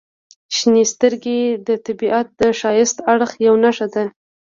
• شنې سترګې د طبیعت د ښایسته اړخ یوه نښه ده.